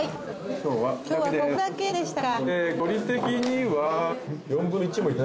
今日はここだけでしたか。